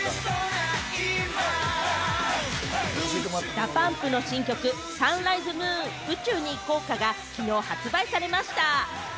ＤＡＰＵＭＰの新曲『サンライズ・ムーン宇宙に行こう』がきのう発売されました。